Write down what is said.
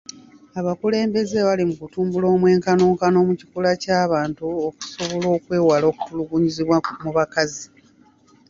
Abakulembeze bali mu kutumbula omwenkanonkano mu kikula ky'abantu okusobola okwewala okutulugunyizibwa mu bakazi.